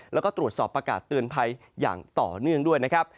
แล้วก็ตรวจสอบประกาศเตือนภัยอย่างต่อเนื่องด้วยนะครับ